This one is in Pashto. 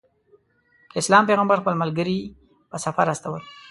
د اسلام پیغمبر خپل ملګري په سفر استول.